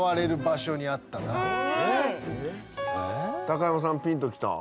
高山さんピンときた？